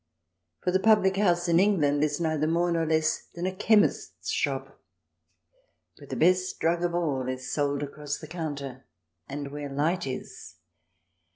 For the public house in England is neither more nor less than a chemist's shop, where the best drug of all is sold across the counter, and where light is.